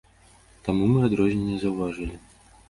Таму мы адрозненне заўважылі.